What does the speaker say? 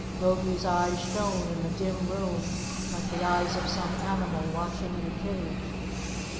Logie's eyes shone in the dim room like the eyes of some animal watching in a cave.